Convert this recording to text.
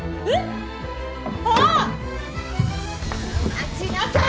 待ちなさい！